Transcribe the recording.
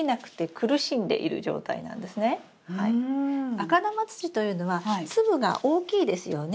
赤玉土というのは粒が大きいですよね。